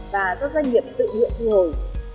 và do doanh nghiệp tự nhiệm thu hồi